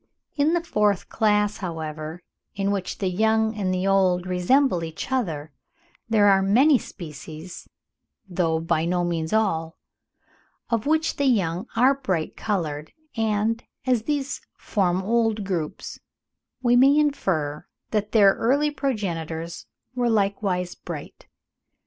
In the fourth class, however, in which the young and the old resemble each other, there are many species (though by no means all), of which the young are bright coloured, and as these form old groups, we may infer that their early progenitors were likewise bright.